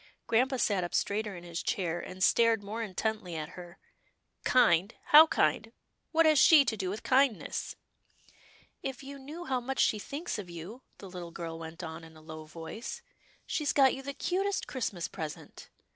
Grampa sat up straighter in his chair, and stared more intently at her. " Kind — how kind — what has she to do with kindness ?"" If you knew how much she thinks of you," the little girl went on in a low voice. " She's got you the 'cutest Christmas present."